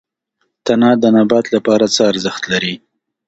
تنه د نبات لپاره څه ارزښت لري؟